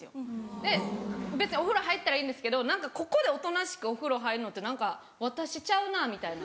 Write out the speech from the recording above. で別にお風呂入ったらいいんですけど何かここでおとなしくお風呂入るのって何か私ちゃうなみたいな。